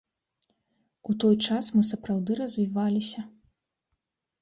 У той час мы сапраўды развіваліся.